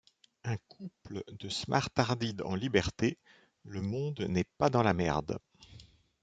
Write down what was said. Un couple de smartarded en liberté Le monde n'est pas dans la merde.